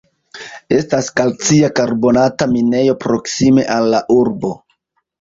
Estas kalcia karbonata minejo proksime al la urbo.